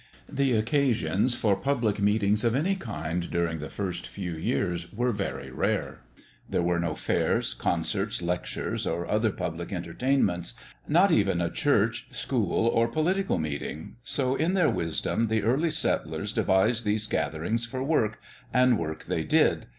The occasions for public meetings of any kind during the first few years were very rare. There were no fairs, concerts, lectures, or other public entertainments, not even a church, school, or political meeting, so, in their wisdom, the early settlers devised these gatherings for work—and work they did.